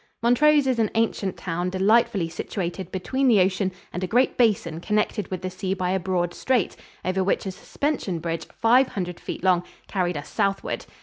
Montrose is an ancient town delightfully situated between the ocean and a great basin connected with the sea by a broad strait, over which a suspension bridge five hundred feet long carried us southward.